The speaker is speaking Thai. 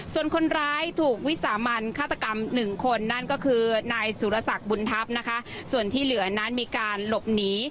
ส่วนคนร้ายถูกวิสามันฆาตกรรมหนึ่งคนนั่นก็คือนายสุรสักบุญทัพนะคะส่วนที่เหลือนั้นมีการหลบหนี